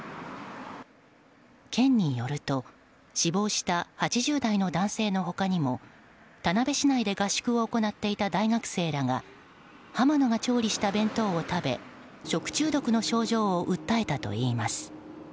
県によると、死亡した８０代の男性の他にも田辺市内で合宿を行っていた大学生らがはま乃が調理した弁当を食べ食中毒の症状を訴えたといいます。